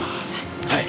はい。